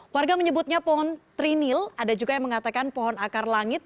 warga menyebutnya pohon trinil ada juga yang mengatakan pohon akar langit